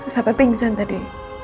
sampai pingsan tadi